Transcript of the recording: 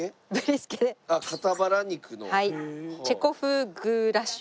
チェコ風グーラシュ。